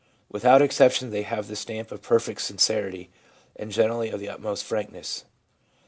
Without exception they have the stamp of perfect sincerity, and generally of the utmost frankness.